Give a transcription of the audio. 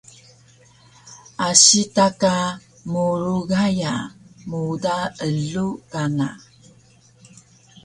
Asi ta ka murug gaya muda elug kana